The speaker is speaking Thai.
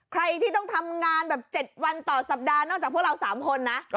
ใครที่ต้องทำงานแบบ๗วันต่อสัปดาห์นอกจากพวกเรา๓คนนะ